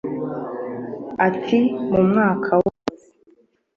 Ati “Mu mwaka wose